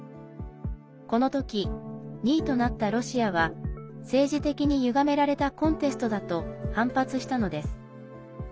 この時、２位となったロシアは「政治的にゆがめられたコンテストだ」と反発したのです。